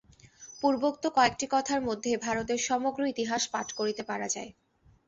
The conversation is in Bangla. পূর্বোক্ত কয়েকটি কথার মধ্যেই ভারতের সমগ্র ইতিহাস পাঠ করিতে পারা যায়।